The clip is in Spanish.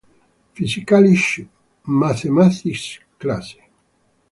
Physikalisch-mathematische Klasse".